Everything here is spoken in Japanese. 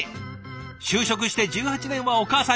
就職して１８年はお母さんに。